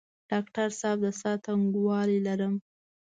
ډاکټر صاحب د ساه تنګوالی لرم؟